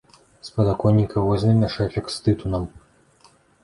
З падаконніка возьме мяшэчак з тытуном.